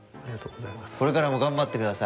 これからも頑張って下さい。